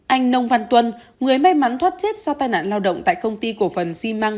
anh nông văn tuân người may mắn thoát chết do tai nạn lao động tại công ty cổ phần xi măng